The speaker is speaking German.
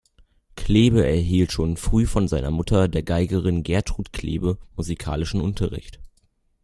Klebe erhielt schon früh von seiner Mutter, der Geigerin Gertrud Klebe, musikalischen Unterricht.